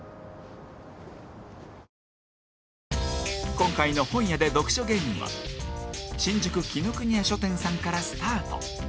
今回の本屋で読書芸人は新宿紀伊國屋書店さんからスタート